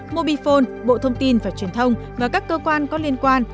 mobifone bộ thông tin và truyền thông và các cơ quan có liên quan